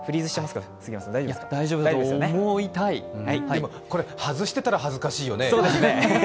でもこれ外してたら恥ずかしいよね。